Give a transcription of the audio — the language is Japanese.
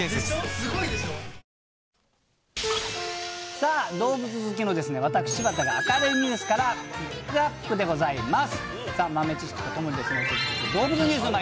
さあ、動物好きの私柴田が、明るいニュースからピックアップでございます。